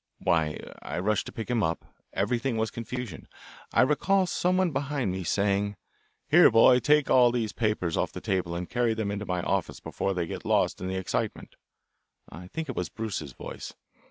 "Why, I rushed to pick him up. Everything was confusion. I recall someone behind me saying, 'Here, boy, take all these papers off the table and carry them into my office before they get lost in the excitement.' I think it was Bruce's voice.